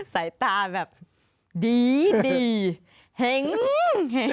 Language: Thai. ใส่ตาแบบดีดีเห็งเห็ง